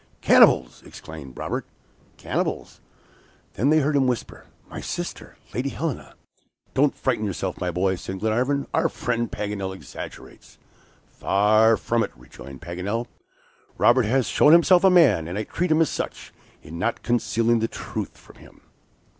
"Cannibals!" exclaimed Robert, "cannibals?" Then they heard him whisper, "My sister! Lady Helena." "Don't frighten yourself, my boy," said Glenarvan; "our friend Paganel exaggerates." "Far from it," rejoined Paganel. "Robert has shown himself a man, and I treat him as such, in not concealing the truth from him."